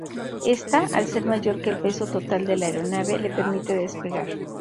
Esta, al ser mayor que el peso total de la aeronave, le permite despegar.